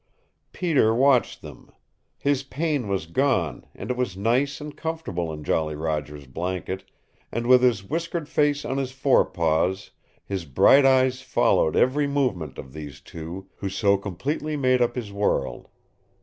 Peter watched them. His pain was gone, and it was nice and comfortable in Jolly Roger's blanket, and with his whiskered face on his fore paws his bright eyes followed every movement of these two who so completely made up his world.